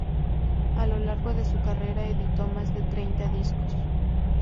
A lo largo de su carrera editó más de treinta discos.